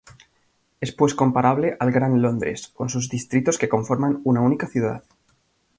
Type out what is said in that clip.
Es pues comparable al Gran Londres con sus distritos que conforman una única ciudad.